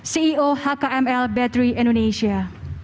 ceo hkml baterai indonesia